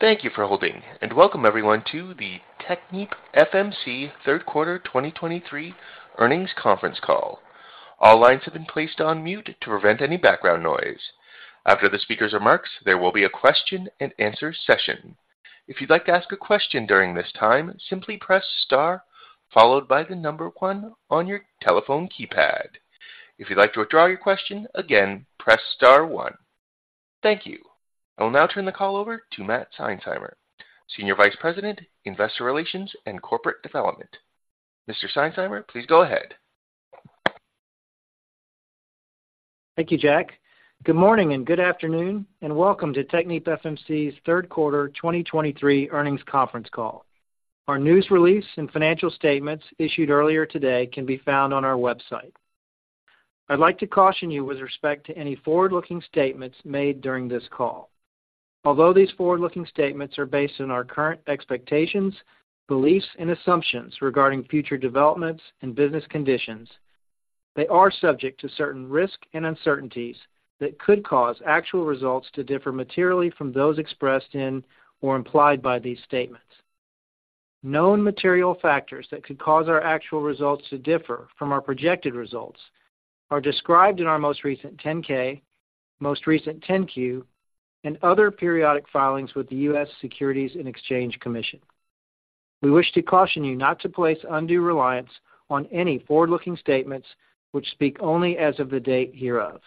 Thank you for holding, and welcome everyone to the TechnipFMC Third Quarter 2023 Earnings Conference Call. All lines have been placed on mute to prevent any background noise. After the speakers' remarks, there will be a question-and-answer session. If you'd like to ask a question during this time, simply press star, followed by the number one on your telephone keypad. If you'd like to withdraw your question again, press star one. Thank you. I will now turn the call over to Matt Seinsheimer, Senior Vice President, Investor Relations and Corporate Development. Mr. Seinsheimer, please go ahead. Thank you, Jack. Good morning and good afternoon, and welcome to TechnipFMC's Third Quarter 2023 Earnings Conference Call. Our news release and financial statements issued earlier today can be found on our website. I'd like to caution you with respect to any forward-looking statements made during this call. Although these forward-looking statements are based on our current expectations, beliefs, and assumptions regarding future developments and business conditions, they are subject to certain risks and uncertainties that could cause actual results to differ materially from those expressed in or implied by these statements. Known material factors that could cause our actual results to differ from our projected results are described in our most recent 10-K, most recent 10-Q, and other periodic filings with the U.S. Securities and Exchange Commission. We wish to caution you not to place undue reliance on any forward-looking statements which speak only as of the date hereof.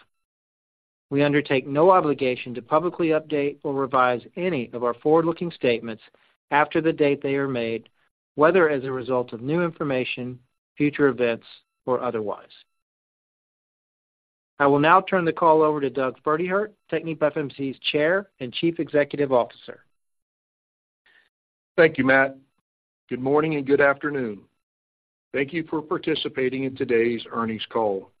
We undertake no obligation to publicly update or revise any of our forward-looking statements after the date they are made, whether as a result of new information, future events, or otherwise. I will now turn the call over to Doug Pferdehirt, TechnipFMC's Chair and Chief Executive Officer. Thank you, Matt. Good morning and good afternoon. Thank you for participating in today's earnings call.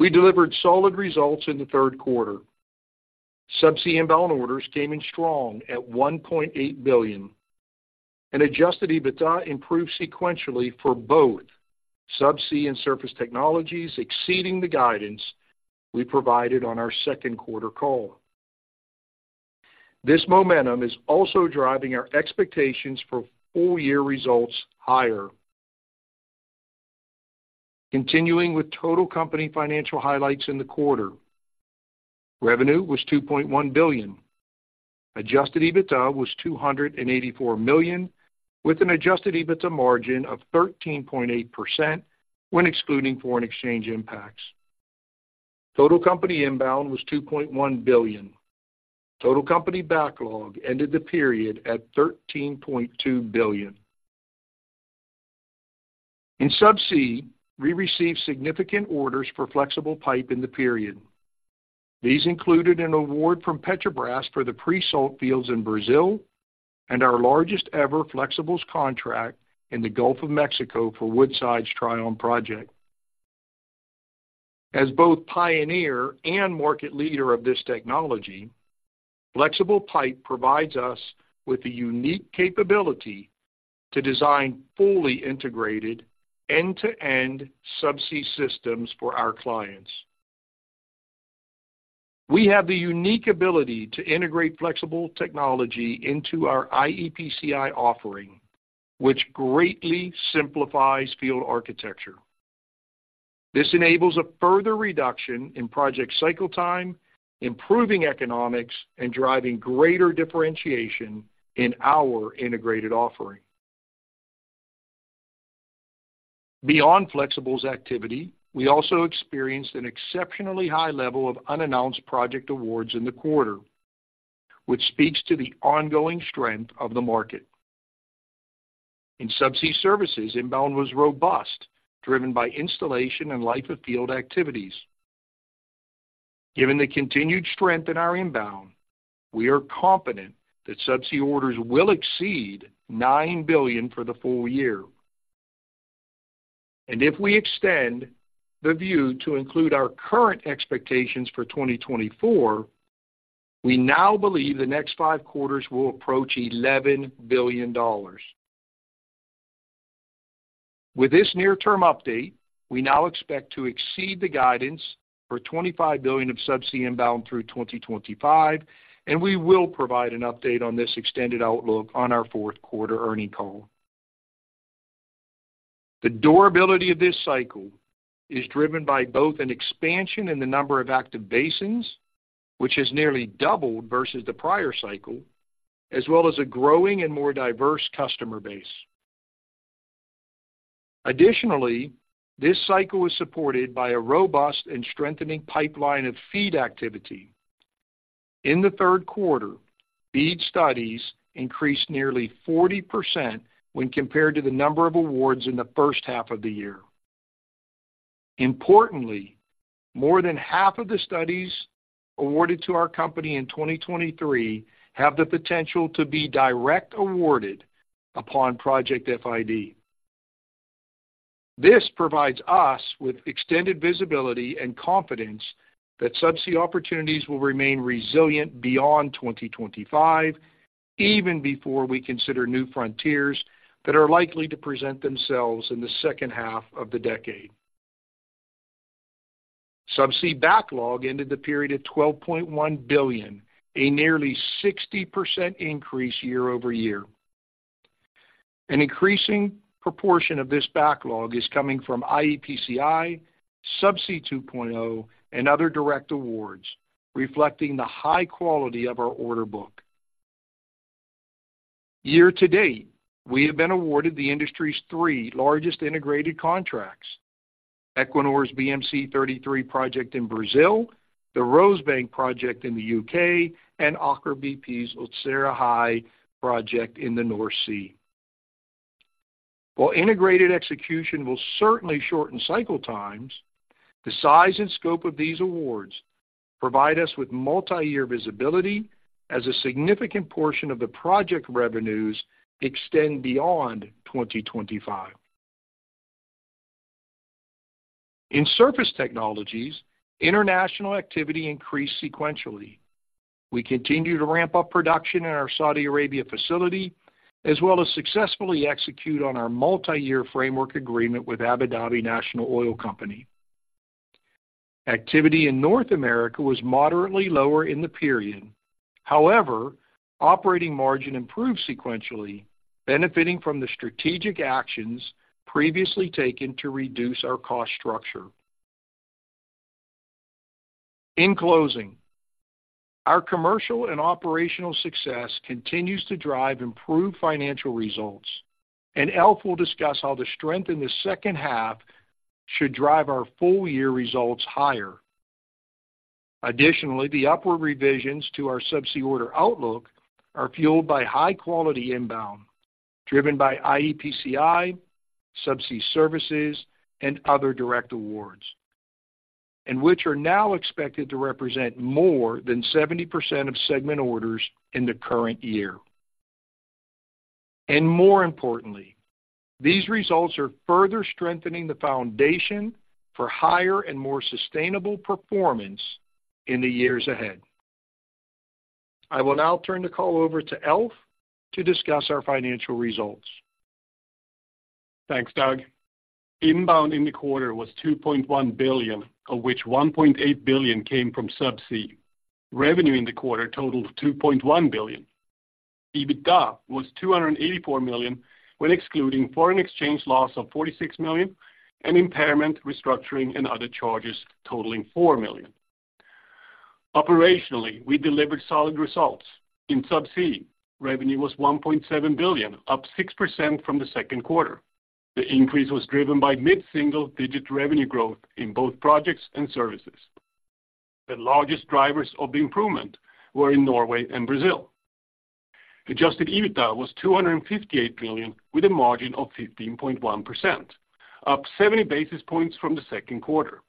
We delivered solid results in the third quarter. Subsea inbound orders came in strong at $1.8 billion, and adjusted EBITDA improved sequentially for both Subsea and Surface Technologies, exceeding the guidance we provided on our second quarter call. This momentum is also driving our expectations for full-year results higher. Continuing with total company financial highlights in the quarter. Revenue was $2.1 billion. Adjusted EBITDA was $284 million, with an adjusted EBITDA margin of 13.8% when excluding foreign exchange impacts. Total company inbound was $2.1 billion. Total company backlog ended the period at $13.2 billion. In Subsea, we received significant orders for flexible pipe in the period. These included an award from Petrobras for the pre-salt fields in Brazil and our largest-ever flexibles contract in the Gulf of Mexico for Woodside's Trion project. As both pioneer and market leader of this technology, flexible pipe provides us with the unique capability to design fully integrated end-to-end subsea systems for our clients. We have the unique ability to integrate flexible technology into our iEPCI offering, which greatly simplifies field architecture. This enables a further reduction in project cycle time, improving economics, and driving greater differentiation in our integrated offering. Beyond flexibles activity, we also experienced an exceptionally high level of unannounced project awards in the quarter, which speaks to the ongoing strength of the market. In Subsea services, inbound was robust, driven by installation and Life of Field activities. Given the continued strength in our inbound, we are confident that Subsea orders will exceed $9 billion for the full year. If we extend the view to include our current expectations for 2024, we now believe the next five quarters will approach $11 billion. With this near-term update, we now expect to exceed the guidance for $25 billion of Subsea inbound through 2025, and we will provide an update on this extended outlook on our fourth quarter earnings call. The durability of this cycle is driven by both an expansion in the number of active basins, which has nearly doubled versus the prior cycle, as well as a growing and more diverse customer base. Additionally, this cycle is supported by a robust and strengthening pipeline of FEED activity. In the third quarter, FEED studies increased nearly 40% when compared to the number of awards in the first half of the year. Importantly, more than half of the studies awarded to our company in 2023 have the potential to be direct awarded upon project FID. This provides us with extended visibility and confidence that Subsea opportunities will remain resilient beyond 2025, even before we consider new frontiers that are likely to present themselves in the second half of the decade. Subsea backlog ended the period at $12.1 billion, a nearly 60% increase year-over-year. An increasing proportion of this backlog is coming from iEPCI, Subsea 2.0, and other direct awards, reflecting the high quality of our order book. Year-to-date, we have been awarded the industry's three largest integrated contracts: Equinor's BM-C-33 project in Brazil, the Rosebank project in the U.K., and Aker BP's Utsira High project in the North Sea. While integrated execution will certainly shorten cycle times, the size and scope of these awards provide us with multiyear visibility as a significant portion of the project revenues extend beyond 2025. In Surface Technologies, international activity increased sequentially. We continue to ramp up production in our Saudi Arabia facility, as well as successfully execute on our multiyear framework agreement with Abu Dhabi National Oil Company. Activity in North America was moderately lower in the period. However, operating margin improved sequentially, benefiting from the strategic actions previously taken to reduce our cost structure. In closing, our commercial and operational success continues to drive improved financial results, and Alf will discuss how the strength in the second half should drive our full year results higher. Additionally, the upward revisions to our Subsea order outlook are fueled by high quality inbound, driven by iEPCI, Subsea Services, and other direct awards, and which are now expected to represent more than 70% of segment orders in the current year. More importantly, these results are further strengthening the foundation for higher and more sustainable performance in the years ahead. I will now turn the call over to Alf to discuss our financial results. Thanks, Doug. Inbound in the quarter was $2.1 billion, of which $1.8 billion came from Subsea. Revenue in the quarter totaled $2.1 billion. EBITDA was $284 million, when excluding foreign exchange loss of $46 million and impairment, restructuring, and other charges totaling $4 million. Operationally, we delivered solid results. In Subsea, revenue was $1.7 billion, up 6% from the second quarter. The increase was driven by mid-single digit revenue growth in both projects and services. The largest drivers of the improvement were in Norway and Brazil. Adjusted EBITDA was $258 million, with a margin of 15.1%, up 70 basis points from the second quarter.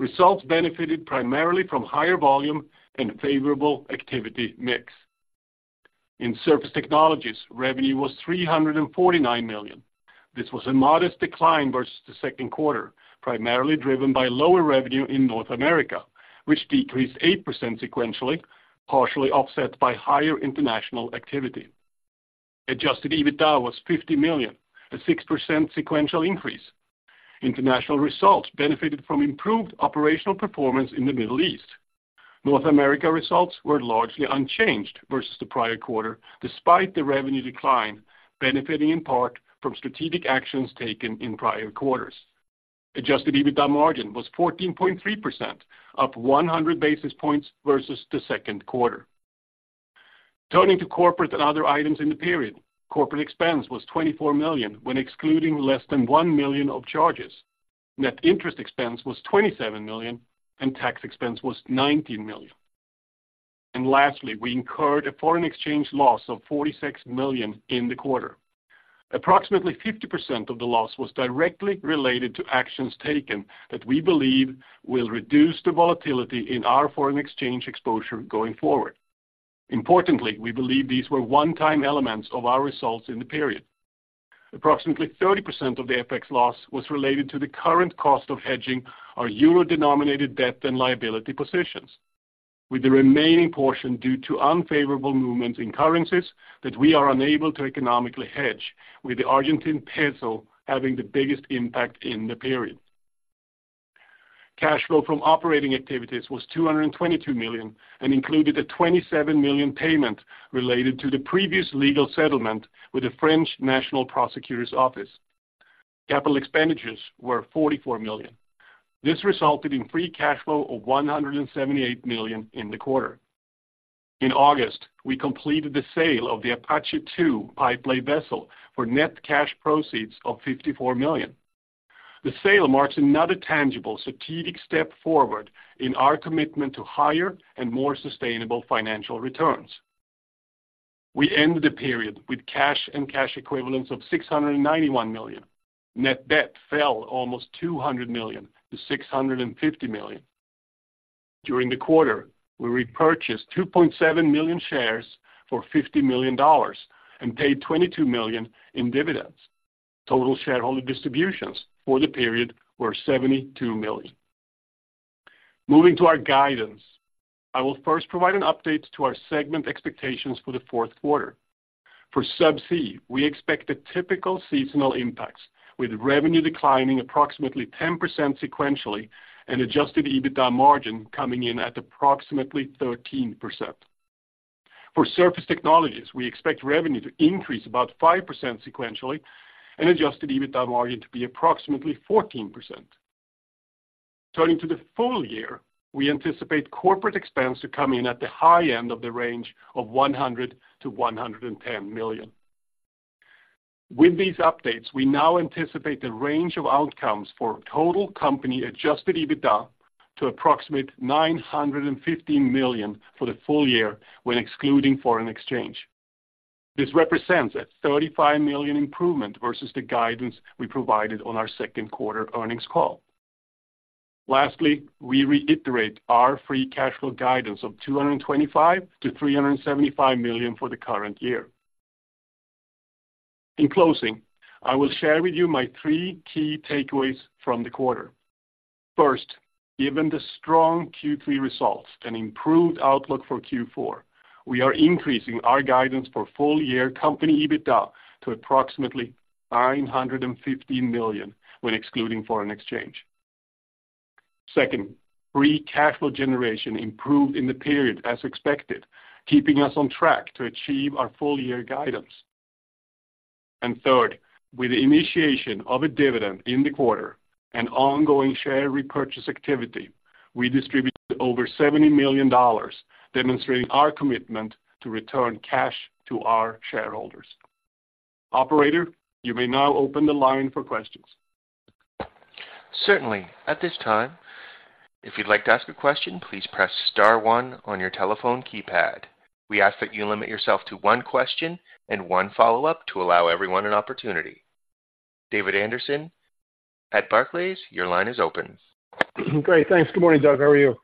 Results benefited primarily from higher volume and favorable activity mix. In Surface Technologies, revenue was $349 million. This was a modest decline versus the second quarter, primarily driven by lower revenue in North America, which decreased 8% sequentially, partially offset by higher international activity. Adjusted EBITDA was $50 million, a 6% sequential increase. International results benefited from improved operational performance in the Middle East. North America results were largely unchanged versus the prior quarter, despite the revenue decline, benefiting in part from strategic actions taken in prior quarters. Adjusted EBITDA margin was 14.3%, up 100 basis points versus the second quarter. Turning to corporate and other items in the period. Corporate expense was $24 million when excluding less than $1 million of charges. Net interest expense was $27 million, and tax expense was $19 million. And lastly, we incurred a foreign exchange loss of $46 million in the quarter. Approximately 50% of the loss was directly related to actions taken that we believe will reduce the volatility in our foreign exchange exposure going forward. Importantly, we believe these were one-time elements of our results in the period. Approximately 30% of the FX loss was related to the current cost of hedging our euro-denominated debt and liability positions, with the remaining portion due to unfavorable movements in currencies that we are unable to economically hedge, with the Argentine peso having the biggest impact in the period. Cash flow from operating activities was $222 million and included a $27 million payment related to the previous legal settlement with the French National Prosecutor's Office. Capital expenditures were $44 million. This resulted in free cash flow of $178 million in the quarter. In August, we completed the sale of the Apache II pipelay vessel for net cash proceeds of $54 million. The sale marks another tangible strategic step forward in our commitment to higher and more sustainable financial returns. We ended the period with cash and cash equivalents of $691 million. Net debt fell almost $200 million to $650 million. During the quarter, we repurchased 2.7 million shares for $50 million and paid $22 million in dividends. Total shareholder distributions for the period were $72 million. Moving to our guidance. I will first provide an update to our segment expectations for the fourth quarter. For Subsea, we expect the typical seasonal impacts, with revenue declining approximately 10% sequentially and adjusted EBITDA margin coming in at approximately 13%. For Surface Technologies, we expect revenue to increase about 5% sequentially and adjusted EBITDA margin to be approximately 14%. Turning to the full year, we anticipate corporate expense to come in at the high end of the range of $100 million-110 million. With these updates, we now anticipate the range of outcomes for total company adjusted EBITDA to approximate $950 million for the full year, when excluding foreign exchange. This represents a $35 million improvement versus the guidance we provided on our second quarter earnings call. Lastly, we reiterate our free cash flow guidance of $225-375 million for the current year. In closing, I will share with you my three key takeaways from the quarter. First, given the strong Q3 results and improved outlook for Q4, we are increasing our guidance for full year company EBITDA to approximately $950 million, when excluding foreign exchange. Second, free cash flow generation improved in the period as expected, keeping us on track to achieve our full year guidance. Third, with the initiation of a dividend in the quarter and ongoing share repurchase activity, we distributed over $70 million, demonstrating our commitment to return cash to our shareholders. Operator, you may now open the line for questions. Certainly. At this time, if you'd like to ask a question, please press star one on your telephone keypad. We ask that you limit yourself to one question and one follow-up to allow everyone an opportunity. David Anderson at Barclays, your line is open. Great, thanks. Good morning, Doug. How are you?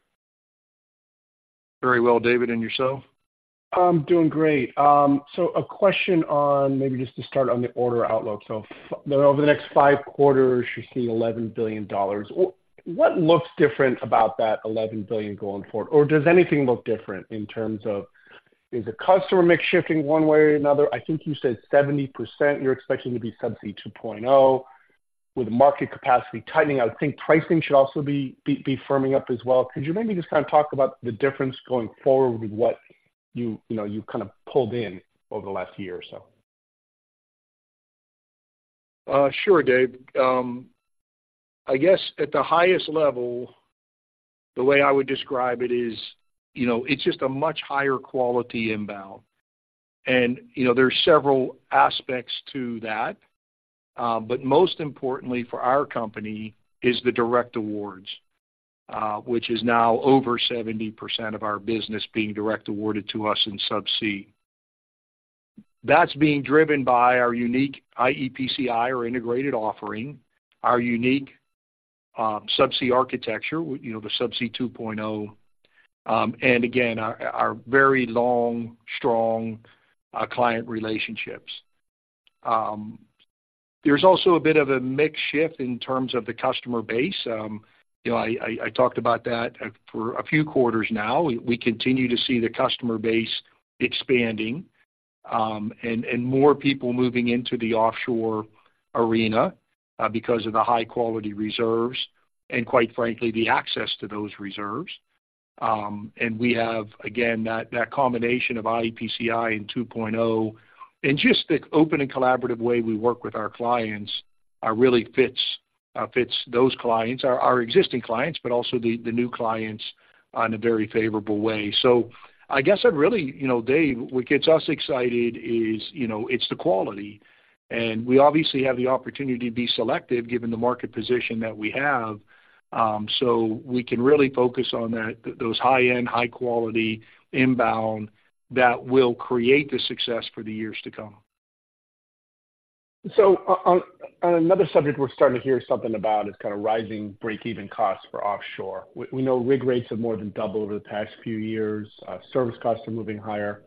Very well, David, and yourself? I'm doing great. So a question on maybe just to start on the order outlook. So over the next five quarters, you're seeing $11 billion. What looks different about that $11 billion going forward? Or does anything look different in terms of, is the customer mix shifting one way or another? I think you said 70%, you're expecting to be Subsea 2.0. With market capacity tightening, I would think pricing should also be firming up as well. Could you maybe just kind of talk about the difference going forward with what you, you know, you kind of pulled in over the last year or so? Sure, Dave. I guess at the highest level, the way I would describe it is, you know, it's just a much higher quality inbound. And, you know, there are several aspects to that, but most importantly for our company is the direct awards, which is now over 70% of our business being direct awarded to us in Subsea. That's being driven by our unique iEPCI or integrated offering, our unique Subsea architecture, you know, the Subsea 2.0, and again, our very long, strong, client relationships. There's also a bit of a mix shift in terms of the customer base. You know, I talked about that for a few quarters now. We continue to see the customer base expanding, and more people moving into the offshore arena, because of the high-quality reserves and, quite frankly, the access to those reserves. And we have, again, that combination of iEPCI and 2.0, and just the open and collaborative way we work with our clients, really fits those clients, our existing clients, but also the new clients in a very favorable way. So I guess I'd really, you know, Dave, what gets us excited is, you know, it's the quality, and we obviously have the opportunity to be selective, given the market position that we have. So we can really focus on those high-end, high-quality inbound that will create the success for the years to come. So, on another subject we're starting to hear something about is kind of rising breakeven costs for offshore. We know rig rates have more than doubled over the past few years. Service costs are moving higher.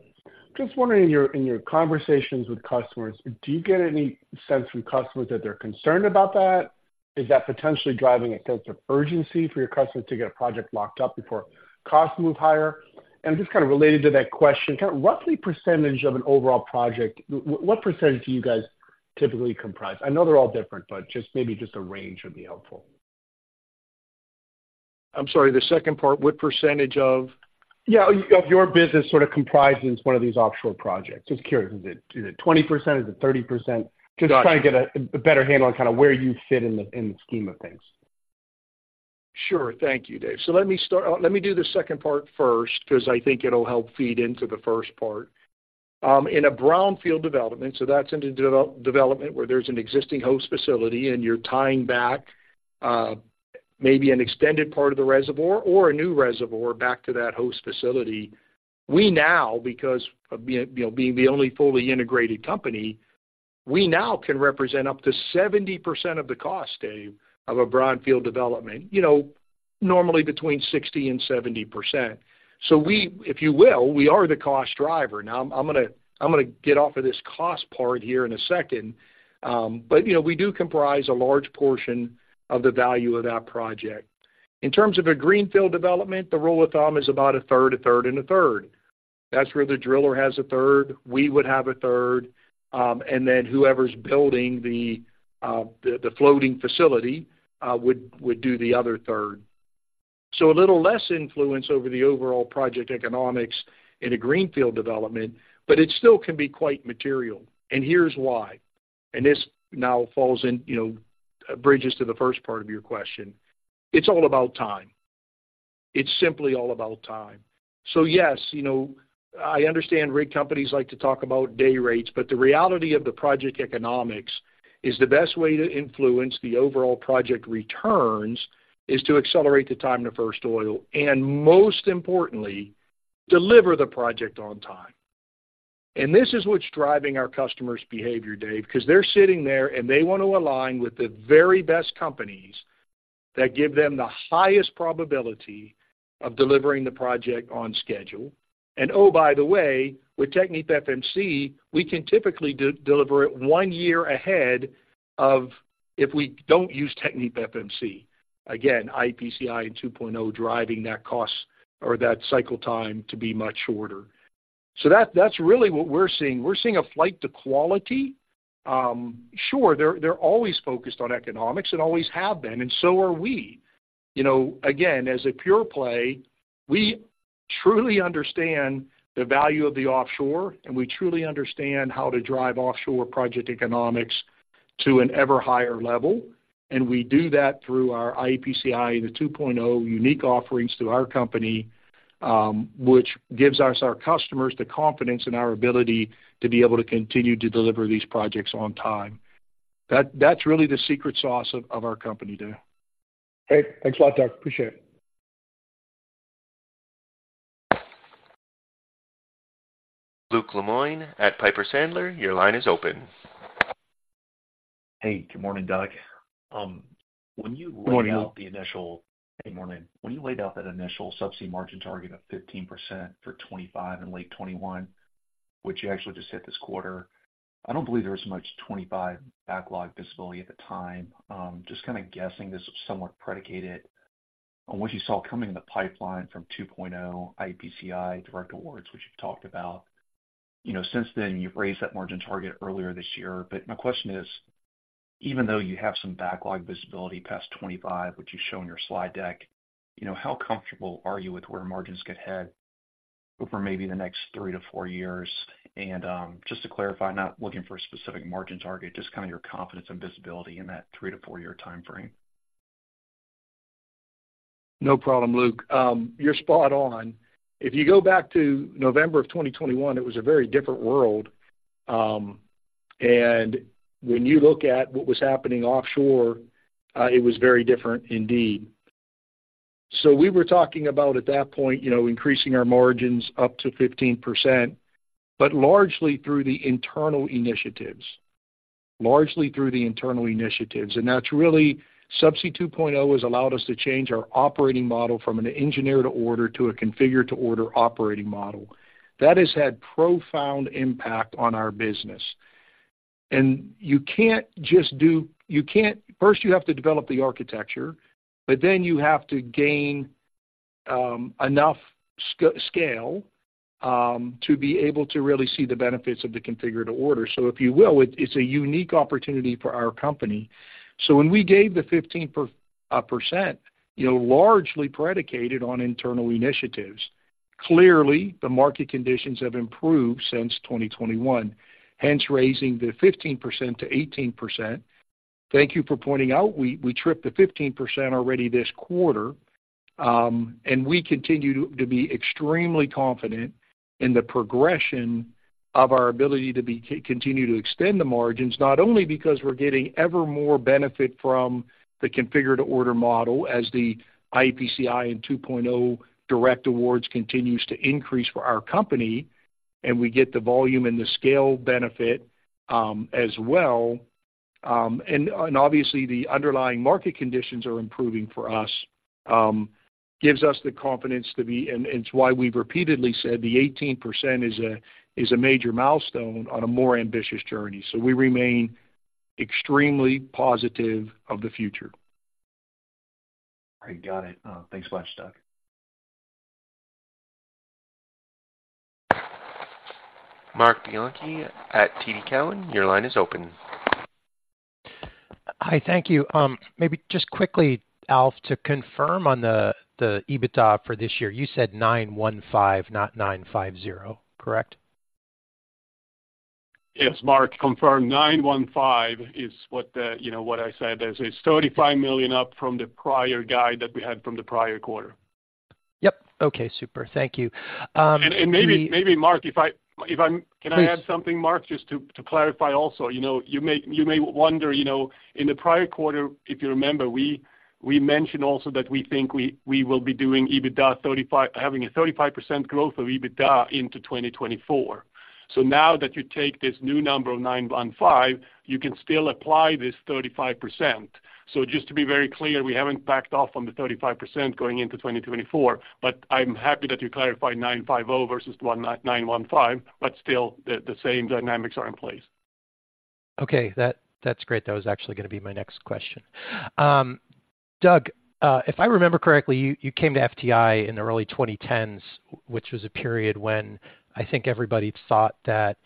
Just wondering, in your conversations with customers, do you get any sense from customers that they're concerned about that? Is that potentially driving a sense of urgency for your customers to get a project locked up before costs move higher? And just kind of related to that question, kind of roughly percentage of an overall project, what percentage do you guys typically comprise? I know they're all different, but just maybe just a range would be helpful. I'm sorry, the second part, what percentage of? Yeah, of your business sort of comprises one of these offshore projects. Just curious, is it 20%? Is it 30%? Just trying to get a better handle on kind of where you fit in the scheme of things. Sure. Thank you, Dave. So let me start. Let me do the second part first, 'cause I think it'll help feed into the first part. In a brownfield development, so that's in the development where there's an existing host facility, and you're tying back, maybe an extended part of the reservoir or a new reservoir back to that host facility. We now, because of, you know, being the only fully integrated company, we now can represent up to 70% of the cost, Dave, of a brownfield development. You know, normally between 60%-70%. So we, if you will, we are the cost driver. Now, I'm gonna get off of this cost part here in a second, but, you know, we do comprise a large portion of the value of that project. In terms of a greenfield development, the rule of thumb is about a third, a third, and a third. That's where the driller has a third, we would have a third, and then whoever's building the, the floating facility, would do the other third. So a little less influence over the overall project economics in a greenfield development, but it still can be quite material. And here's why. And this now falls in, you know, bridges to the first part of your question: It's all about time. It's simply all about time. So yes, you know, I understand rig companies like to talk about day rates, but the reality of the project economics is the best way to influence the overall project returns, is to accelerate the time to first oil, and most importantly, deliver the project on time. This is what's driving our customers' behavior, Dave, because they're sitting there and they want to align with the very best companies that give them the highest probability of delivering the project on schedule. And, oh, by the way, with TechnipFMC, we can typically deliver it one year ahead of if we don't use TechnipFMC. Again, iEPCI and 2.0 driving that cost or that cycle time to be much shorter. So that's really what we're seeing. We're seeing a flight to quality. Sure, they're always focused on economics and always have been, and so are we. You know, again, as a pure play, we truly understand the value of the offshore, and we truly understand how to drive offshore project economics to an ever higher level. We do that through our iEPCI, the 2.0 unique offerings to our company, which gives us, our customers, the confidence in our ability to be able to continue to deliver these projects on time. That's really the secret sauce of our company, Dave. Great. Thanks a lot, Doug. Appreciate it. Luke Lemoine at Piper Sandler, your line is open. Hey, good morning, Doug. When you laid out the initial Subsea margin target of 15% for 2025 and late 2021, which you actually just hit this quarter, I don't believe there was much 2025 backlog visibility at the time. Just kinda guessing this was somewhat predicated on what you saw coming in the pipeline from 2.0, iEPCI, direct awards, which you've talked about. You know, since then, you've raised that margin target earlier this year. But my question is, even though you have some backlog visibility past 2025, which you show in your slide deck, you know, how comfortable are you with where margins could head over maybe the next 3-4 years? And, just to clarify, I'm not looking for a specific margin target, just kinda your confidence and visibility in that [three years-four years] time frame. No problem, Luke. You're spot on. If you go back to November 2021, it was a very different world. And when you look at what was happening offshore, it was very different indeed. So we were talking about at that point, you know, increasing our margins up to 15%, but largely through the internal initiatives. Largely through the internal initiatives, and that's really Subsea 2.0 has allowed us to change our operating model from an Engineer-to-Order to a Configure-to-Order operating model. That has had profound impact on our business. And you can't just do it. First, you have to develop the architecture, but then you have to gain enough scale to be able to really see the benefits of the Configure-to-Order. So if you will, it's a unique opportunity for our company. So when we gave the 15%, you know, largely predicated on internal initiatives. Clearly, the market conditions have improved since 2021, hence raising the 15%-18%. Thank you for pointing out, we tripped the 15% already this quarter, and we continue to be extremely confident in the progression of our ability to continue to extend the margins, not only because we're getting ever more benefit from the Configure-to-Order model as the iEPCI and 2.0 direct awards continues to increase for our company, and we get the volume and the scale benefit as well. And obviously, the underlying market conditions are improving for us, gives us the confidence to be, and it's why we've repeatedly said the 18% is a major milestone on a more ambitious journey. We remain extremely positive of the future. All right, got it. Thanks much, Doug. Marc Bianchi at TD Cowen, your line is open. Hi, thank you. Maybe just quickly, Alf, to confirm on the EBITDA for this year, you said $915, not $950, correct? Yes, Mark, confirmed 915 is what the --, you know, what I said. There's a $35 million up from the prior guide that we had from the prior quarter. Yep. Okay, super. Thank you, Maybe, Mark, can I add something, Mark, just to clarify also? You know, you may wonder, you know, in the prior quarter, if you remember, we mentioned also that we think we will be doing EBITDA 35%-- having a 35% growth of EBITDA into 2024. Now that you take this new number of $915 million, you can still apply this 35%. Just to be very clear, we haven't backed off on the 35% going into 2024, but I'm happy that you clarified $950 million versus $915 million, but still the same dynamics are in place. .Okay, that's great. That was actually going to be my next question. Doug, if I remember correctly, you came to FTI in the early 2010s, which was a period when I think everybody thought that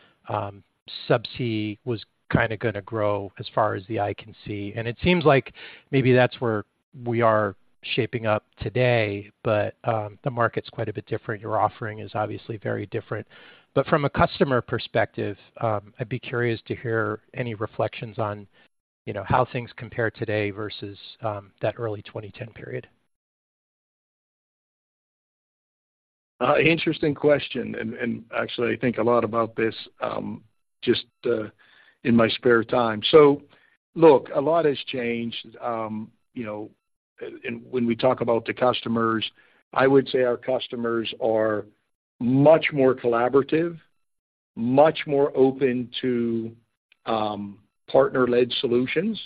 Subsea was kind of going to grow as far as the eye can see. And it seems like maybe that's where we are shaping up today, but the market's quite a bit different. Your offering is obviously very different. But from a customer perspective, I'd be curious to hear any reflections on, you know, how things compare today versus that early 2010 period? Interesting question, and actually, I think a lot about this, just in my spare time. So look, a lot has changed, you know, when we talk about the customers, I would say our customers are much more collaborative, much more open to partner-led solutions,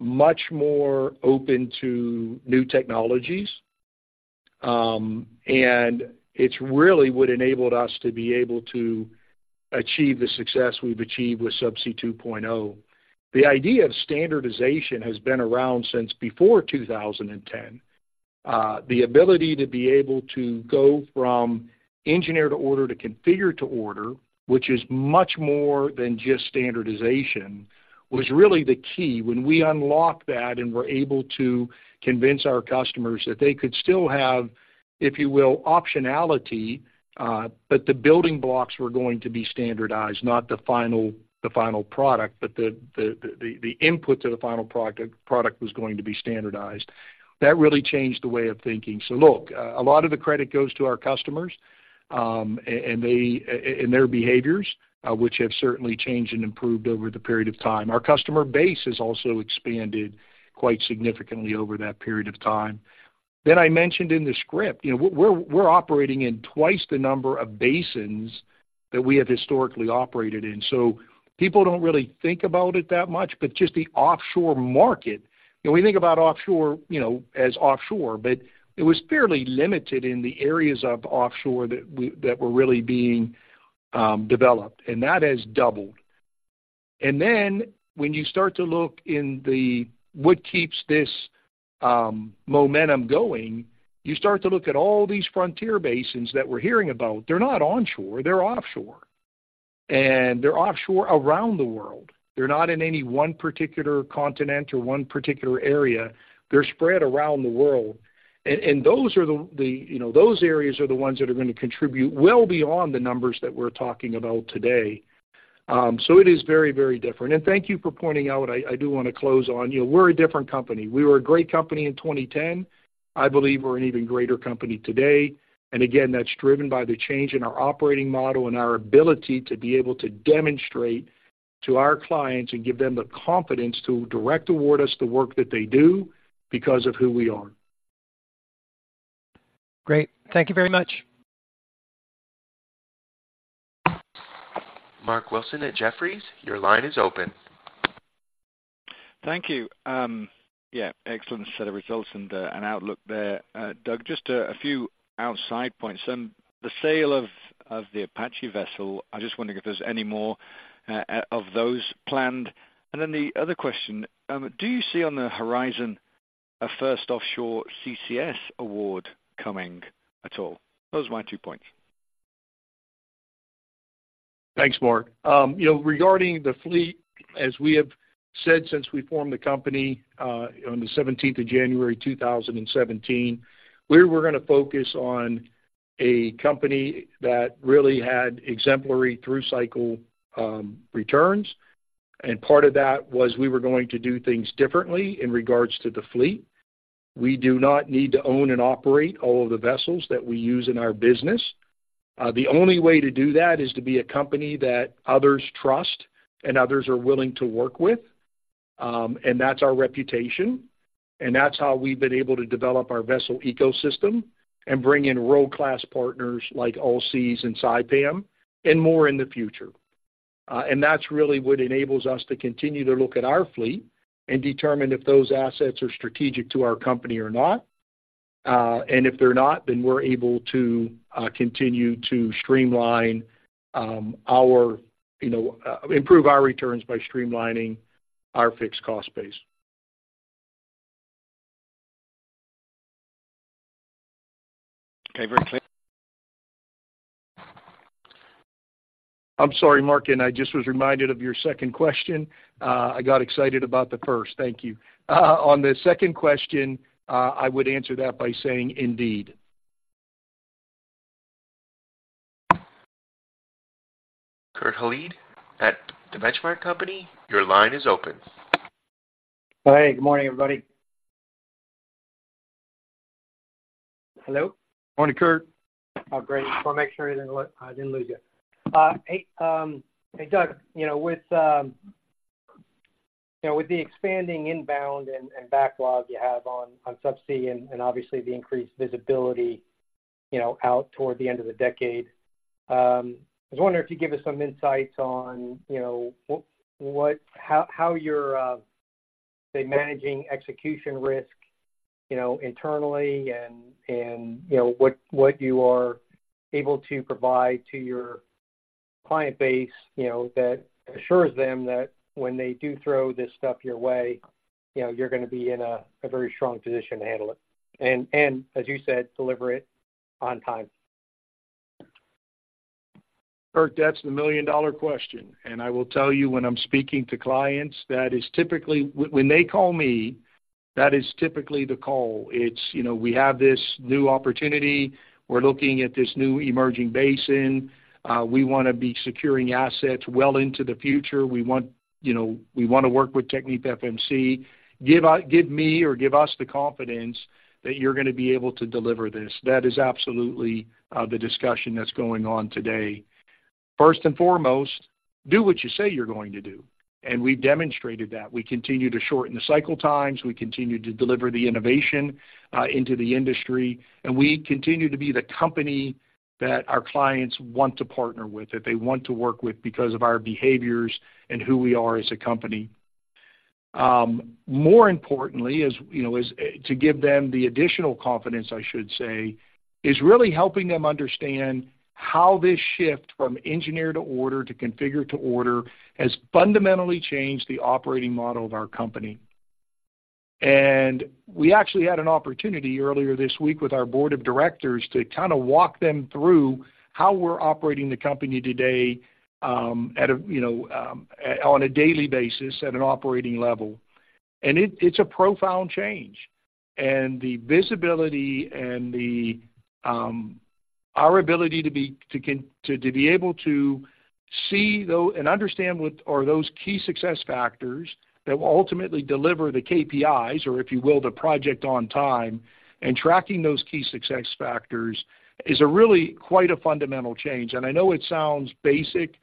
much more open to new technologies. And it's really what enabled us to be able to achieve the success we've achieved with Subsea 2.0. The idea of standardization has been around since before 2010. The ability to be able to go from Engineer-to-Order, to Configure-to-Order, which is much more than just standardization, was really the key. When we unlocked that and were able to convince our customers that they could still have, if you will, optionality, but the building blocks were going to be standardized, not the final product, but the input to the final product was going to be standardized. That really changed the way of thinking. So look, a lot of the credit goes to our customers, and their behaviors, which have certainly changed and improved over the period of time. Our customer base has also expanded quite significantly over that period of time. Then I mentioned in the script, you know, we're operating in twice the number of basins that we have historically operated in. So people don't really think about it that much, but just the offshore market. When we think about offshore, you know, as offshore, but it was fairly limited in the areas of offshore that we were really being developed, and that has doubled. And then when you start to look into what keeps this momentum going, you start to look at all these frontier basins that we're hearing about. They're not onshore, they're offshore, and they're offshore around the world. They're not in any one particular continent or one particular area. They're spread around the world. And those are the --, you know, those areas are the ones that are going to contribute well beyond the numbers that we're talking about today. So it is very, very different. And thank you for pointing out. I do want to close on, you know, we're a different company. We were a great company in 2010. I believe we're an even greater company today. Again, that's driven by the change in our operating model and our ability to be able to demonstrate to our clients and give them the confidence to direct award us the work that they do because of who we are. Great. Thank you very much. Mark Wilson at Jefferies, your line is open. Thank you. Yeah, excellent set of results and outlook there. Doug, just a few outside points. The sale of the Apache vessel, I just wonder if there's any more of those planned? And then the other question, do you see on the horizon a first offshore CCS award coming at all? Those are my two points. Thanks, Mark. You know, regarding the fleet, as we have said since we formed the company on the 17th of January 2017, we were gonna focus on a company that really had exemplary through cycle returns, and part of that was we were going to do things differently in regards to the fleet. We do not need to own and operate all of the vessels that we use in our business. The only way to do that is to be a company that others trust and others are willing to work with. And that's our reputation, and that's how we've been able to develop our vessel ecosystem and bring in world-class partners like Allseas and Saipem, and more in the future. That's really what enables us to continue to look at our fleet and determine if those assets are strategic to our company or not. If they're not, then we're able to continue to streamline, you know, improve our returns by streamlining our fixed cost base. Okay, very clear. I'm sorry, Mark, and I just was reminded of your second question. I got excited about the first. Thank you. On the second question, I would answer that by saying indeed. Kurt Hallead at the Benchmark Company, your line is open. Hey, good morning, everybody. Hello? Morning, Kurt. Oh, great. I want to make sure I didn't lose you. Hey, Doug, you know, with the expanding inbound and backlog you have on Subsea and obviously the increased visibility, you know, out toward the end of the decade, I was wondering if you give us some insights on, you know, what – how your say managing execution risk, you know, internally and, you know, what you are able to provide to your client base, you know, that assures them that when they do throw this stuff your way, you know, you're gonna be in a very strong position to handle it. And as you said, deliver it on time. Kurt, that's the million-dollar question, and I will tell you when I'm speaking to clients, that is typically, when they call me, that is typically the call. It's, we have this new opportunity. We're looking at this new emerging basin. We wanna be securing assets well into the future. We want --, you know, we wanna work with TechnipFMC. Give me or give us the confidence that you're gonna be able to deliver this. That is absolutely the discussion that's going on today. First and foremost, do what you say you're going to do, and we've demonstrated that. We continue to shorten the cycle times, we continue to deliver the innovation into the industry, and we continue to be the company that our clients want to partner with, that they want to work with because of our behaviors and who we are as a company. More importantly, you know, to give them the additional confidence, I should say, is really helping them understand how this shift from Engineer-to-Order to Configure-to-Order has fundamentally changed the operating model of our company. And we actually had an opportunity earlier this week with our board of directors to kind of walk them through how we're operating the company today, you know, on a daily basis, at an operating level. And it's a profound change. And the visibility and our ability to be able to see though and understand what those key success factors that will ultimately deliver the KPIs, or if you will, the project on time, and tracking those key success factors, is really quite a fundamental change. And I know it sounds basic,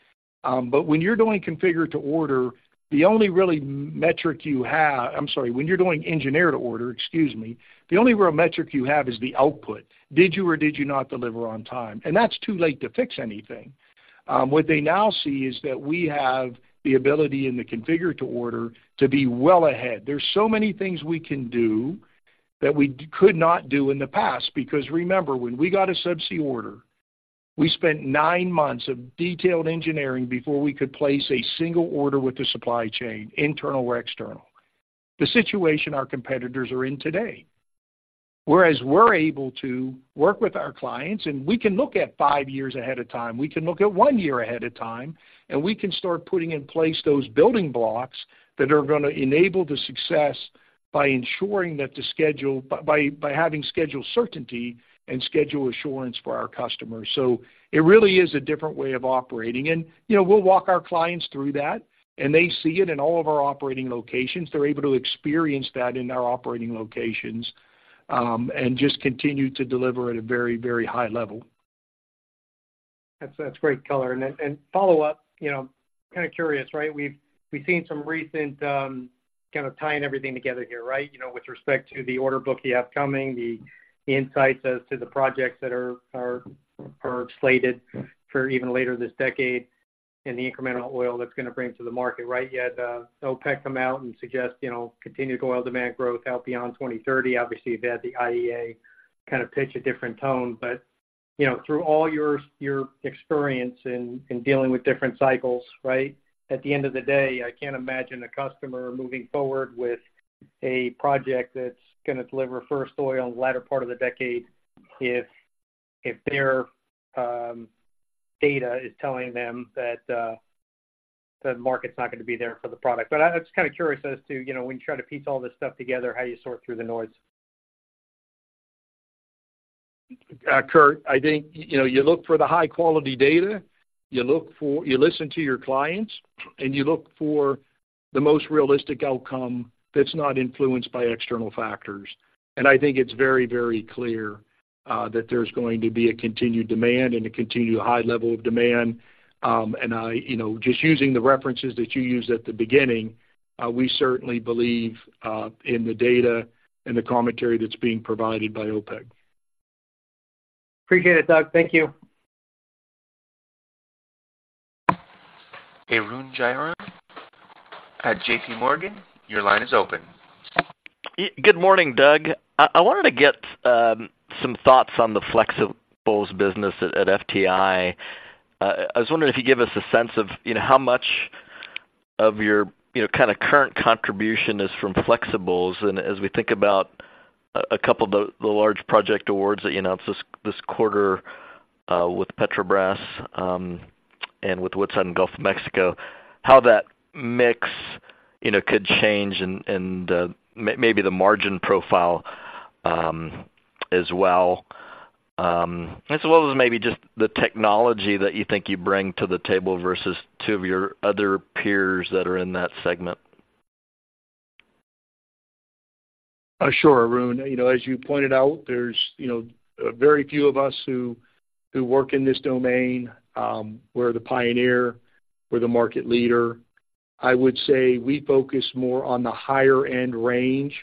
but when you're doing Configure-to-Order, the only really metric you have -- I'm sorry, when you're doing Engineer-to-Order, excuse me, the only real metric you have is the output. Did you or did you not deliver on time? And that's too late to fix anything. What they now see is that we have the ability in the Configure-to-Order to be well ahead. There's so many things we can do that we could not do in the past, because remember, when we got a subsea order, we spent nine months of detailed engineering before we could place a single order with the supply chain, internal or external. The situation our competitors are in today, whereas we're able to work with our clients, and we can look at five years ahead of time. We can look at one year ahead of time, and we can start putting in place those building blocks that are gonna enable the success by ensuring that the schedule by having schedule certainty and schedule assurance for our customers. So it really is a different way of operating. And, you know, we'll walk our clients through that, and they see it in all of our operating locations. They're able to experience that in our operating locations, and just continue to deliver at a very, very high level. That's, that's great color. And follow up, you know, kind of curious, right? We've seen some recent kind of tying everything together here, right? You know, with respect to the order book, the upcoming, the insights as to the projects that are slated for even later this decade and the incremental oil that's gonna bring to the market, right? You had OPEC come out and suggest, you know, continued oil demand growth out beyond 2030. Obviously, you've had the IEA kind of pitch a different tone, but, you know, through all your experience in dealing with different cycles, right, at the end of the day, I can't imagine a customer moving forward with a project that's gonna deliver first oil in the latter part of the decade if their data is telling them that the market's not gonna be there for the product. But I'm just kind of curious as to, you know, when you try to piece all this stuff together, how you sort through the noise? Kurt, I think, you know, you look for the high-quality data, you look for, you listen to your clients, and you look for the most realistic outcome that's not influenced by external factors. And I think it's very, very clear that there's going to be a continued demand and a continued high level of demand. And I, you know, just using the references that you used at the beginning, we certainly believe in the data and the commentary that's being provided by OPEC. Appreciate it, Doug. Thank you. Arun Jayaram at JPMorgan, your line is open. Good morning, Doug. I wanted to get some thoughts on the flexibles business at FTI. I was wondering if you could give us a sense of, you know, how much of your, you know, kind of current contribution is from flexibles. And as we think about a couple of the large project awards that you announced this quarter, with Petrobras, and with Woodside and Gulf of Mexico, how that mix, you know, could change and maybe the margin profile, as well. As well as maybe just the technology that you think you bring to the table versus two of your other peers that are in that segment. Sure, Arun. You know, as you pointed out, there's, you know, very few of us who work in this domain. We're the pioneer, we're the market leader. I would say we focus more on the higher-end range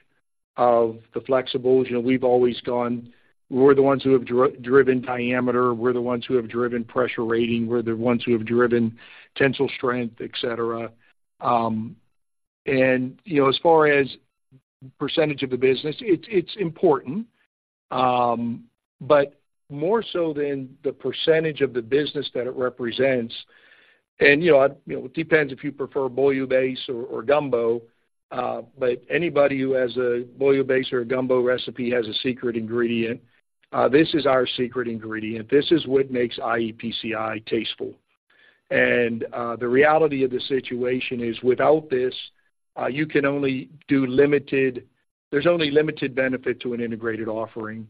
of the flexibles, you know, we've always gone. We're the ones who have driven diameter. We're the ones who have driven pressure rating. We're the ones who have driven tensile strength, et cetera. And, you know, as far as percentage of the business, it's important, but more so than the percentage of the business that it represents. And, you know, I, you know, it depends if you prefer bouillabaisse or gumbo, but anybody who has a bouillabaisse or a gumbo recipe has a secret ingredient. This is our secret ingredient. This is what makes iEPCI tasteful. The reality of the situation is, without this, you can only do limited -- there's only limited benefit to an integrated offering.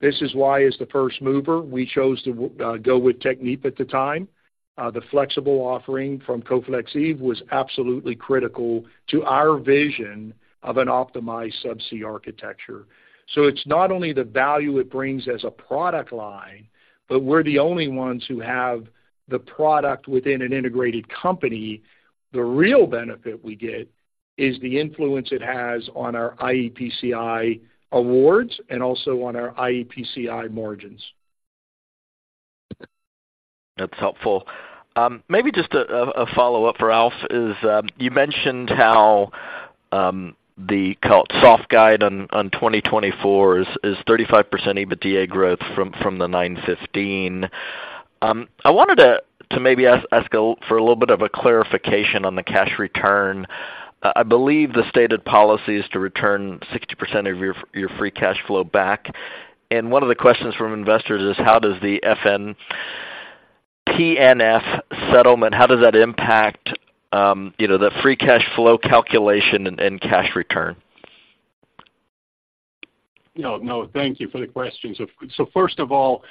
This is why, as the first mover, we chose to go with Technip at the time. The flexible offering from Coflexip was absolutely critical to our vision of an optimized subsea architecture. So it's not only the value it brings as a product line, but we're the only ones who have the product within an integrated company. The real benefit we get is the influence it has on our iEPCI awards and also on our iEPCI margins. That's helpful. Maybe just a follow-up for Alf is, you mentioned how, the cautious guide on 2024 is 35% EBITDA growth from the $915 million. I wanted to maybe ask for a little bit of a clarification on the cash return. I believe the stated policy is to return 60% of your free cash flow back, and one of the questions from investors is how does the PNF settlement, how does that impact, you know, the free cash flow calculation and cash return? No, no, thank you for the question. So, so first of all,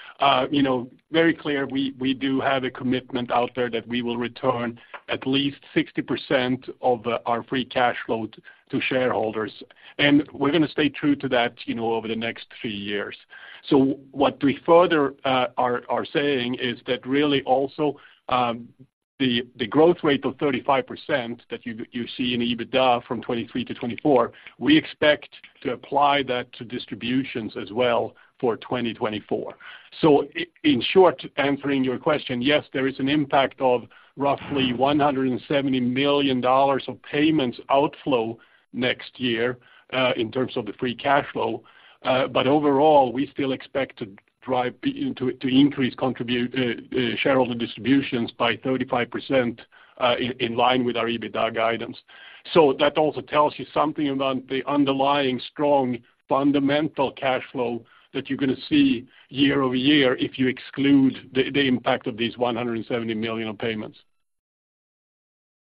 you know, very clear, we -- we do have a commitment out there that we will return at least 60% of our free cash flow to shareholders, and we're gonna stay true to that, you know, over the next three years. So what we further are saying is that really also the growth rate of 35% that you see in EBITDA from 2023 to 2024, we expect to apply that to distributions as well for 2024. So in short, answering your question, yes, there is an impact of roughly $170 million of payments outflow next year in terms of the free cash flow. Overall, we still expect to drive to increase contribute, shareholder distributions by 35%, in line with our EBITDA guidance. That also tells you something about the underlying strong fundamental cash flow that you're gonna see year-over-year if you exclude the impact of these $170 million on payments.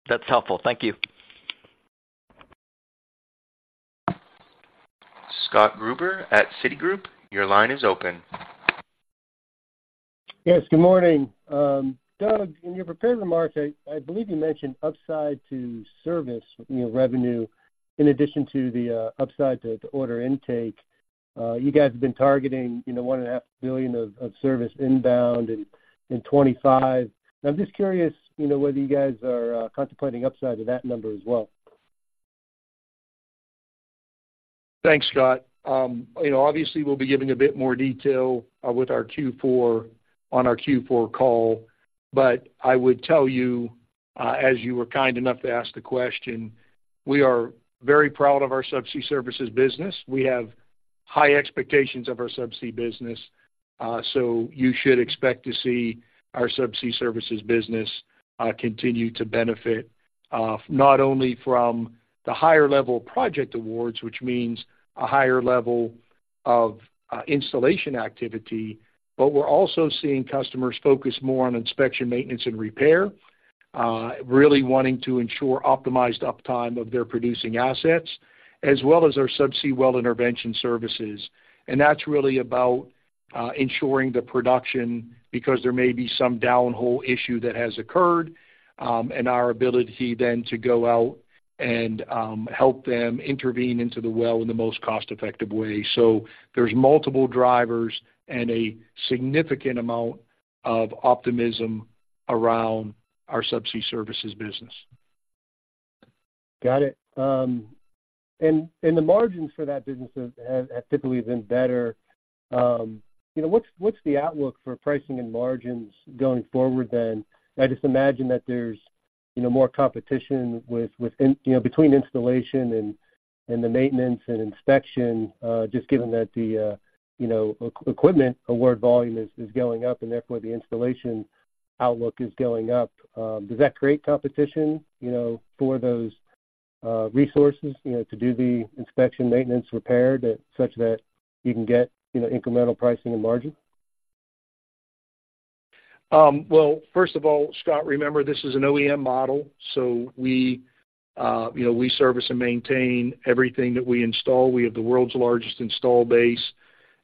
That's helpful. Thank you. Scott Gruber at Citigroup. Your line is open. Yes, good morning. Doug, in your prepared remarks, I believe you mentioned upside to service, you know, revenue in addition to the upside to order intake. You guys have been targeting, you know, $1.5 billion of service inbound in 2025. I'm just curious, you know, whether you guys are contemplating upside to that number as well? Thanks, Scott. You know, obviously we'll be giving a bit more detail with our Q4 -- on our Q4 call, but I would tell you, as you were kind enough to ask the question, we are very proud of our subsea services business. We have high expectations of our subsea business, so you should expect to see our subsea services business continue to benefit, not only from the higher-level project awards, which means a higher level of installation activity, but we're also seeing customers focus more on inspection, maintenance, and repair, really wanting to ensure optimized uptime of their producing assets, as well as our subsea well intervention services. That's really about ensuring the production, because there may be some downhole issue that has occurred, and our ability then to go out and help them intervene into the well in the most cost-effective way. So there's multiple drivers and a significant amount of optimism around our subsea services business. Got it. The margins for that business have typically been better. You know, what's the outlook for pricing and margins going forward then? I just imagine that there's, you know, more competition within, you know, between installation and the maintenance and inspection, just given that the, you know, equipment award volume is going up, and therefore, the installation outlook is going up. Does that create competition, you know, for those resources, you know, to do the inspection, maintenance, repair such that you can get, you know, incremental pricing and margin? Well, first of all, Scott, remember, this is an OEM model, so we, you know, we service and maintain everything that we install. We have the world's largest install base,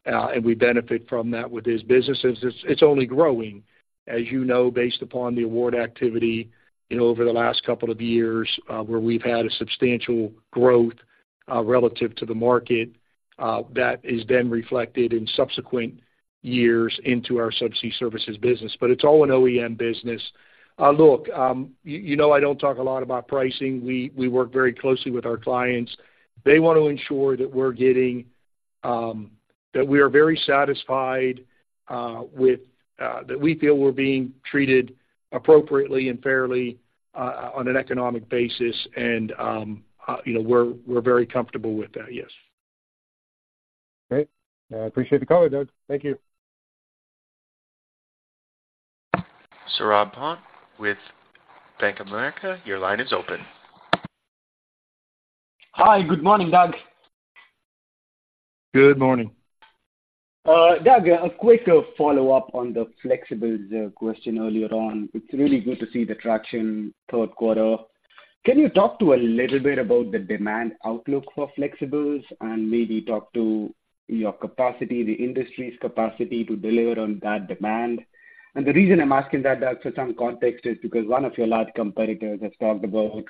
and we benefit from that with these businesses. It's, it's only growing, as you know, based upon the award activity, you know, over the last couple of years, where we've had a substantial growth, relative to the market. That is then reflected in subsequent years into our subsea services business, but it's all an OEM business. Look, you know, I don't talk a lot about pricing. We, we work very closely with our clients. They want to ensure that we're getting, that we are very satisfied, with that we feel we're being treated appropriately and fairly, on an economic basis and, you know, we're very comfortable with that, yes. Great. I appreciate the color, Doug. Thank you. Saurabh Pant with Bank of America, your line is open. Hi. Good morning, Doug. Good morning. Doug, a quick follow-up on the flexibles question earlier on. It's really good to see the traction third quarter. Can you talk to a little bit about the demand outlook for flexibles and maybe talk to your capacity, the industry's capacity to deliver on that demand? And the reason I'm asking that, Doug, for some context, is because one of your large competitors has talked about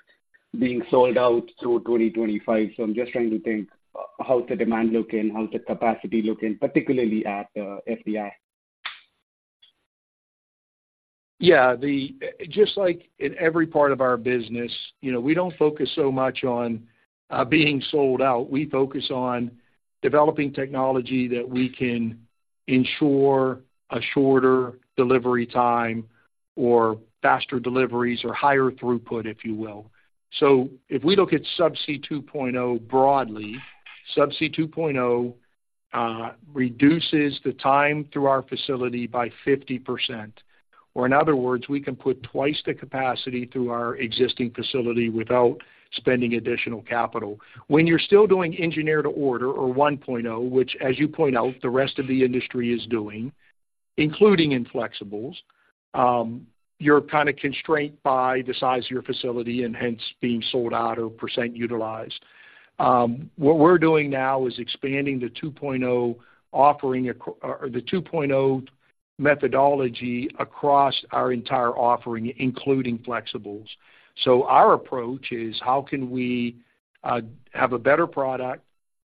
being sold out through 2025. So I'm just trying to think, how's the demand looking? How's the capacity looking, particularly at FTI? Yeah, just like in every part of our business, you know, we don't focus so much on being sold out. We focus on developing technology that we can ensure a shorter delivery time or faster deliveries or higher throughput, if you will. So if we look at Subsea 2.0 broadly, Subsea 2.0 reduces the time through our facility by 50%. Or in other words, we can put twice the capacity through our existing facility without spending additional capital. When you're still doing Engineer-to-Order or 1.0, which, as you point out, the rest of the industry is doing, including in flexibles, you're kind of constrained by the size of your facility and hence being sold out or percent utilized. What we're doing now is expanding the 2.0 offering or the 2.0 methodology across our entire offering, including flexibles. So our approach is, how can we have a better product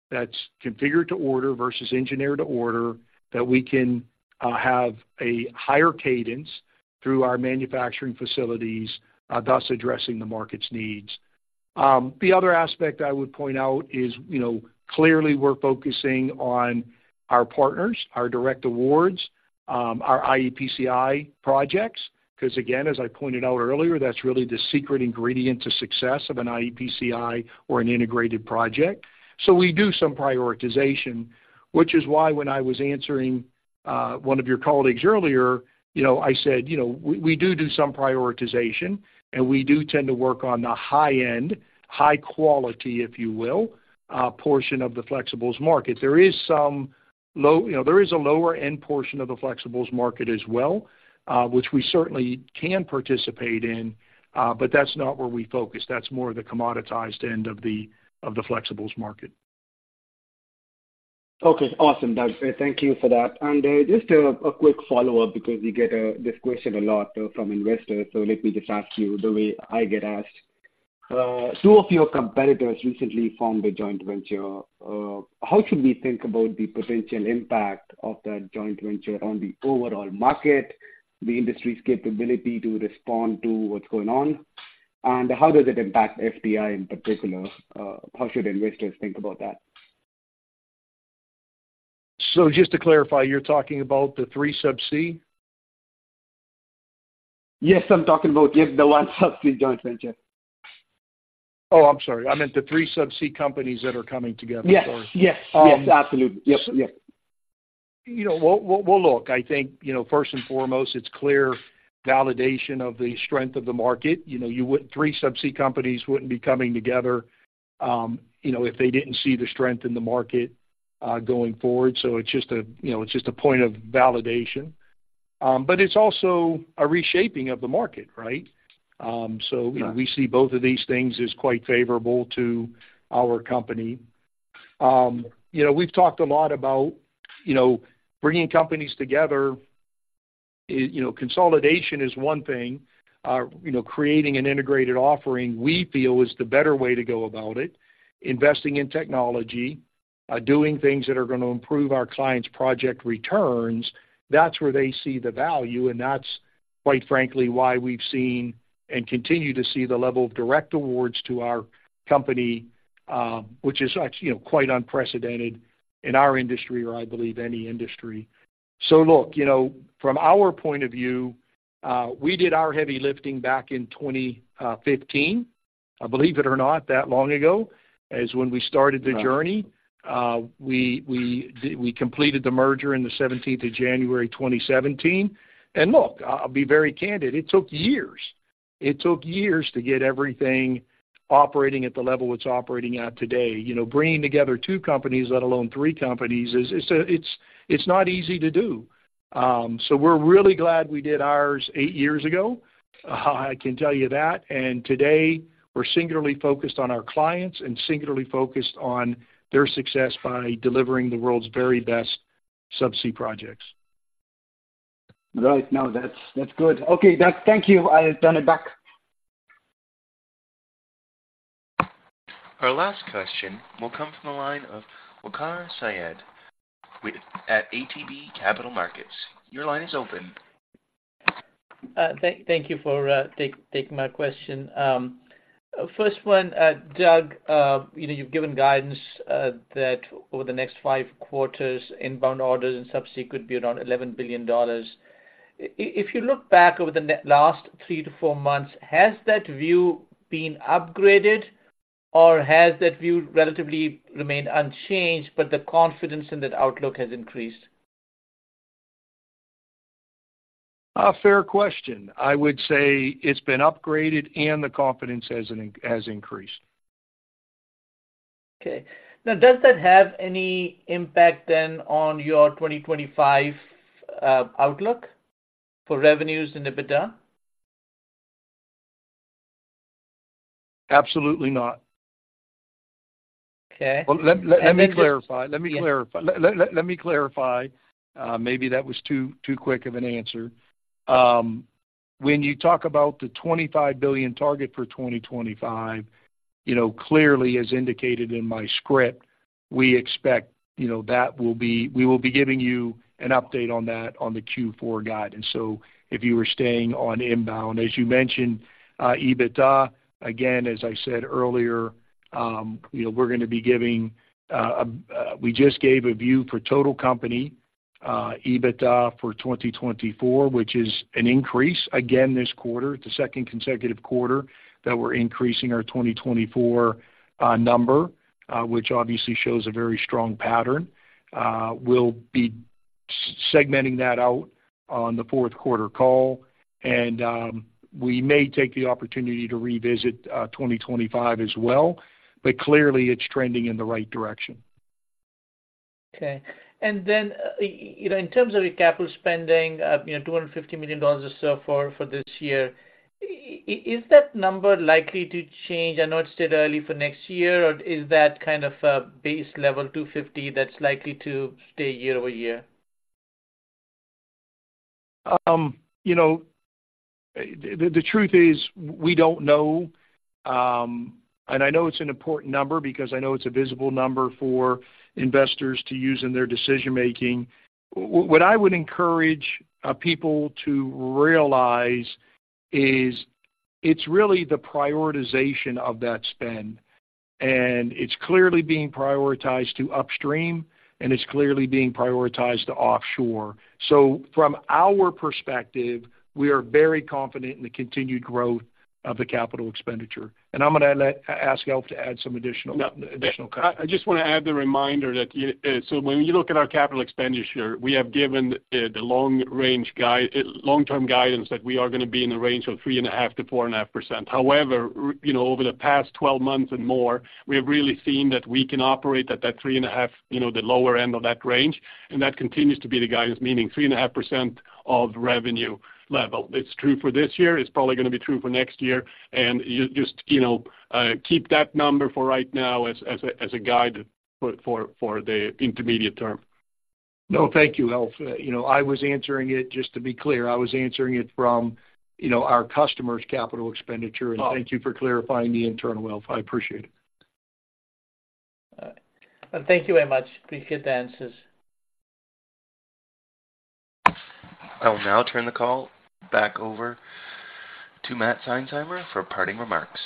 that's configured to order versus Engineer-to-Order, that we can have a higher cadence through our manufacturing facilities, thus addressing the market's needs? The other aspect I would point out is, clearly we're focusing on our partners, our direct awards, our iEPCI projects, cause again, as I pointed out earlier, that's really the secret ingredient to success of an iEPCI or an integrated project. So we do some prioritization, which is why when I was answering one of your colleagues earlier, you know, I said, "You know, we do do some prioritization, and we do tend to work on the high end, high quality, if you will, portion of the flexibles market." There is some low end --, you know, there is a lower end portion of the flexibles market as well, which we certainly can participate in, but that's not where we focus. That's more the commoditized end of the flexibles market. Okay, awesome, Doug. Thank you for that. And just a quick follow-up, because we get this question a lot from investors, so let me just ask you the way I get asked. Two of your competitors recently formed a joint venture. How should we think about the potential impact of that joint venture on the overall market, the industry's capability to respond to what's going on, and how does it impact FTI in particular? How should investors think about that? Just to clarify, you're talking about the three Subsea? Yes, I'm talking about, yes, the OneSubsea joint venture. Oh, I'm sorry. I meant the three Subsea companies that are coming together. Yes. Yes. Yes, absolutely. Yes. Yes. You know, well, look, I think, you know, first and foremost, it's clear validation of the strength of the market. You know, three Subsea companies wouldn't be coming together, you know, if they didn't see the strength in the market, going forward. So it's just a, you know, it's just a point of validation. But it's also a reshaping of the market, right? So... Right. We see both of these things as quite favorable to our company. You know, we've talked a lot about, you know, bringing companies together. You know, consolidation is one thing. You know, creating an integrated offering, we feel, is the better way to go about it. Investing in technology, doing things that are gonna improve our clients' project returns, that's where they see the value, and that's quite frankly, why we've seen and continue to see the level of direct awards to our company, which is actually, you know, quite unprecedented in our industry or I believe, any industry. So look, you know, from our point of view, we did our heavy lifting back in 2015. Believe it or not, that long ago, is when we started the journey. Right. We completed the merger in the 17th of January 2017. Look, I'll be very candid. It took years. It took years to get everything operating at the level it's operating at today. You know, bringing together two companies, let alone three companies, it's not easy to do. So we're really glad we did ours eight years ago. I can tell you that. And today, we're singularly focused on our clients and singularly focused on their success by delivering the world's very best Subsea projects. Right. No, that's, that's good. Okay, Doug, thank you. I turn it back. Our last question will come from the line of Waqar Syed with ATB Capital Markets. Your line is open. Thank you for taking my question. First one, Doug, you know, you've given guidance that over the next five quarters, inbound orders and subsea could be around $11 billion. If you look back over the last three months-four months, has that view been upgraded, or has that view relatively remained unchanged, but the confidence in that outlook has increased? A fair question. I would say it's been upgraded, and the confidence has increased. Okay. Now, does that have any impact then on your 2025 outlook for revenues and EBITDA? Absolutely not. Okay. Well, let me clarify. Maybe that was too quick of an answer. When you talk about the $25 billion target for 2025, you know, clearly, as indicated in my script, we expect, you know, that will be, we will be giving you an update on that on the Q4 guidance. So if you were staying on inbound, as you mentioned, EBITDA, again, as I said earlier, you know, we're gonna be giving -- we just gave a view for total company EBITDA for 2024, which is an increase again this quarter. It's the second consecutive quarter that we're increasing our 2024 number, which obviously shows a very strong pattern. We'll be segmenting that out on the fourth quarter call, and we may take the opportunity to revisit 2025 as well, but clearly, it's trending in the right direction. Okay. And then, you know, in terms of your capital spending, you know, $250 million or so for this year, is that number likely to change? I know it's still early for next year, or is that kind of a base level, 250, that's likely to stay year-over-year? You know, the truth is, we don't know. And I know it's an important number because I know it's a visible number for investors to use in their decision-making. What I would encourage people to realize is it's really the prioritization of that spend, and it's clearly being prioritized to upstream, and it's clearly being prioritized to offshore. So from our perspective, we are very confident in the continued growth of the capital expenditure. And I'm gonna ask Alf to add some additional color. I just want to add the reminder that, so when you look at our capital expenditure, we have given the long range guide, long-term guidance, that we are gonna be in the range of 3.5%-4.5%. However, you know, over the past 12 months and more, we have really seen that we can operate at that 3.5%, you know, the lower end of that range, and that continues to be the guidance, meaning 3.5% of revenue level. It's true for this year. It's probably gonna be true for next year. And just, you know, keep that number for right now as a guide for the intermediate term. No, thank you, Alf. You know, I was answering it, just to be clear, I was answering it from, you know, our customer's capital expenditure. Oh. Thank you for clarifying the internal, Alf. I appreciate it. All right. Thank you very much. Appreciate the answers. I will now turn the call back over to Matt Seinsheimer for parting remarks.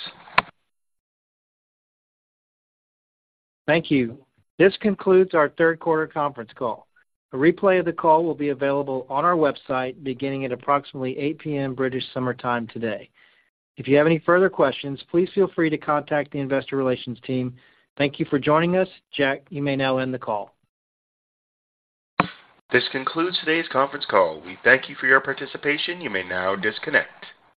Thank you. This concludes our third quarter conference call. A replay of the call will be available on our website beginning at approximately 8:00 P.M. British Summer Time today. If you have any further questions, please feel free to contact the investor relations team. Thank you for joining us. Jack, you may now end the call. This concludes today's conference call. We thank you for your participation. You may now disconnect.